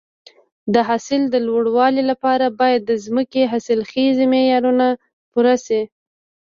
د حاصل د لوړوالي لپاره باید د ځمکې حاصلخیزي معیارونه پوره شي.